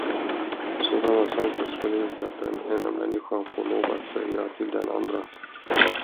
Sådana saker skulle inte den ena människan få lov att säga till den andra.